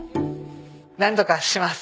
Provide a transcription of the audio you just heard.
なんとかします。